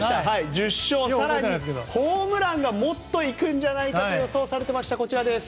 １０勝、更にホームランがもっといくんじゃないかと予想されていましたこちらです。